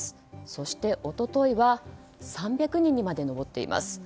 そしておとといは３００人にまで上っています。